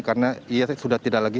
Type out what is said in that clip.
karena dia sudah tidak lagi